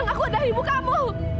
aku adalah ibu kamu